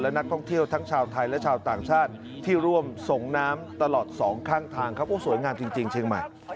ข้างทางครับโอ้โหสวยงานจริงเชียงใหม่